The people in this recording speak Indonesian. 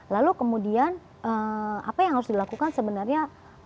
lalu kemudian apa yang harus dilakukan sebenarnya